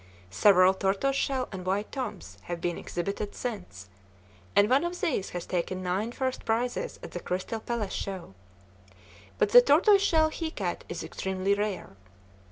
Several tortoise shell and white toms have been exhibited since, and one of these has taken nine first prizes at the Crystal Palace Show; but the tortoise shell he cat is extremely rare.